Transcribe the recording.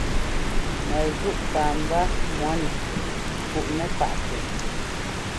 Mɛzúʼ sâbá mʉ̈nɛ fuʼnɛ paʼtɛ.